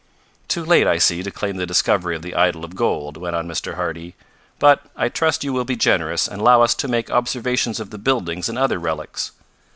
"Too late, I see, to claim the discovery of the idol of gold," went on Mr. Hardy. "But I trust you will be generous, and allow us to make observations of the buildings and other relics."